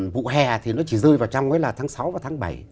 vụ hè thì nó chỉ rơi vào trong cái là tháng sáu và tháng bảy